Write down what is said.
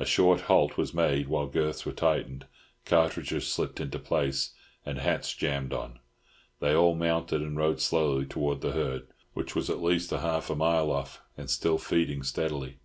A short halt was made while girths were tightened, cartridges slipped into place, and hats jammed on; they all mounted and rode slowly towards the herd, which was at least half a mile off, and still feeding steadily.